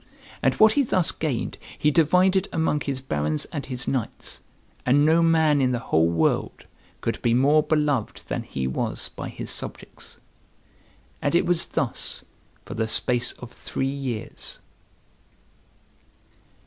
And what he thus gained he divided among his barons and his knights, and no man in the whole world could be more beloved than he was by his subjects. And it was thus for the space of three years.